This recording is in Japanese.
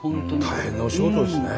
大変なお仕事ですね。